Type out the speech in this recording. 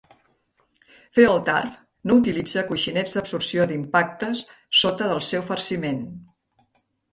FieldTurf no utilitza coixinets d'absorció d'impactes sota del seu farciment.